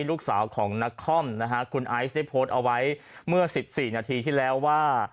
ลูกสาวของนักคอมนะฮะคุณไอซ์ได้โพสต์เอาไว้เมื่อ๑๔นาทีที่แล้วว่า